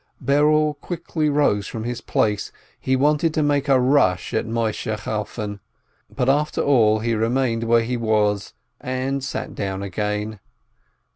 Berel quickly rose from his place, he wanted to make a rush at Moisheh Chalfon. But after all he remained where he was, and sat down again.